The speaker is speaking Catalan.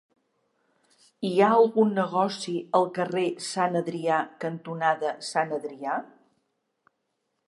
Hi ha algun negoci al carrer Sant Adrià cantonada Sant Adrià?